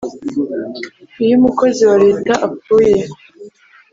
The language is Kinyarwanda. iyo umukozi wa leta apfuye